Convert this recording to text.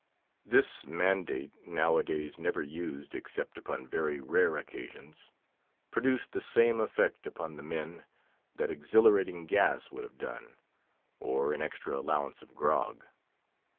_" This mandate, nowadays never used except upon very rare occasions, produced the same effect upon the men that Exhilarating Gas would have done, or an extra allowance of "grog."